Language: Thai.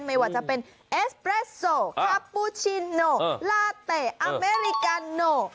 ไม่ว่าจะเป็นเอสเปรสโซคาปูชิโนลาเตะอเมริกาโน